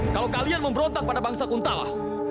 kalau kalian memberontak pada bangsa kuntalah